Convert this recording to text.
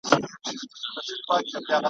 د بدي خبري سل کاله عمر وي ,